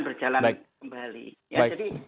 berjalan kembali ya jadi